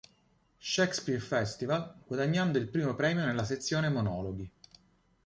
Shakespeare Festival" guadagnando il primo premio nella sezione monologhi.